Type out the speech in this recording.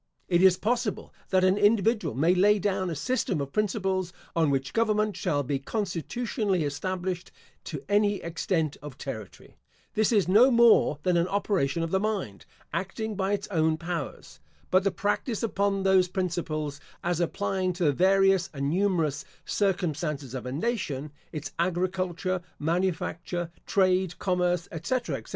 It is possible that an individual may lay down a system of principles, on which government shall be constitutionally established to any extent of territory. This is no more than an operation of the mind, acting by its own powers. But the practice upon those principles, as applying to the various and numerous circumstances of a nation, its agriculture, manufacture, trade, commerce, etc., etc.